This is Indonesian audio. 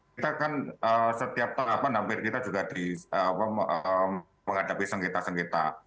kita kan setiap tahapan hampir kita juga menghadapi sengketa sengketa